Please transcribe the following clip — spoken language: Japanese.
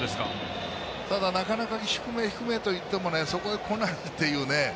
ただ、なかなか低め低めといってもそこへ、こないっていうね。